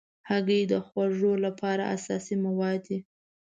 هګۍ د خواږو لپاره اساسي مواد دي.